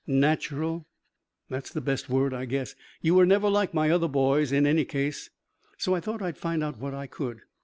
"Natural?" "That's the best word, I guess. You were never like my other boys, in any case. So I thought I'd find out what I could.